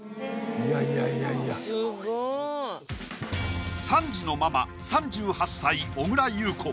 いやいやいやいやスゴい３児のママ３８歳小倉優子